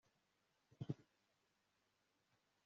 Ntabwo asa nuwishimye